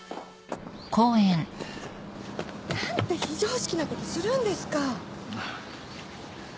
何て非常識なことするんですか！？